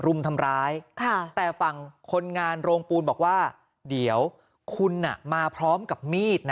รุมทำร้ายแต่ฝั่งคนงานโรงปูนบอกว่าเดี๋ยวคุณมาพร้อมกับมีดนะ